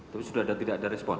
tapi sudah tidak ada respon